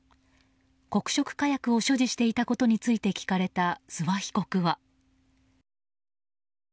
黒色火薬を所持していたことについて聞かれた諏訪被告は。